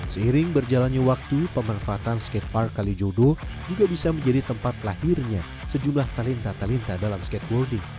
seiring berjalannya waktu pemanfaatan skatepark kali jodoh juga bisa menjadi tempat lahirnya sejumlah talinta talinta dalam skateboarding